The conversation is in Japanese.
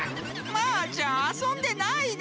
マーちゃんあそんでないで！